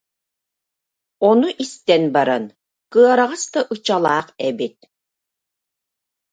Ону истэн баран, «кыараҕас да ычалаах эбит